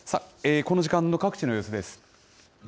この時間の各地の様子です。